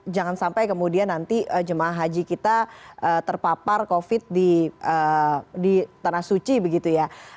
jangan sampai kemudian nanti jemaah haji kita terpapar covid di tanah suci begitu ya